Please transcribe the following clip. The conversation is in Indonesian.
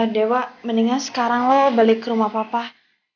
dewa mendingan sekarang lo balik rumah perempuan